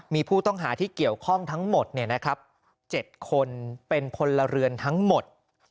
มีผู้ต้องหาที่เกี่ยวข้องทั้งหมดเนี่ยนะครับเจ็ดคนเป็นคนละเรือนทั้งหมด